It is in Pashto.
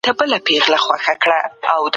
فشار عادي نه دی.